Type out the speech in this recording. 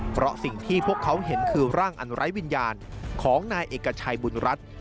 เพราะสิ่งที่พวกเขาเห็นคือร่างอันไร้วิญญาณของนายเอกชัยบุญรัฐ